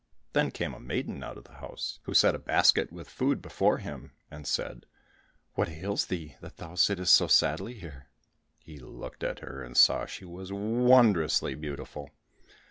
Then came a maiden out of the house who set a little basket with food before him, and said, "What ails thee, that thou sittest so sadly here?" He looked at her, and saw that she was wondrously beautiful.